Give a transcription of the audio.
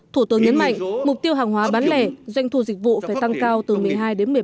thủ tướng nhấn mạnh mục tiêu hàng hóa bán lẻ doanh thu dịch vụ phải tăng cao từ một mươi hai đến một mươi bảy